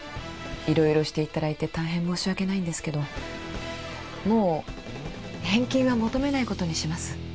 色々していただいて大変申し訳ないんですけどもう返金は求めないことにします